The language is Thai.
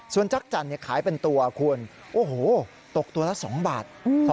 ส่วนจักรจันทร์ขายเป็นตัวคุณโอ้โหตกตัวละ๒บาท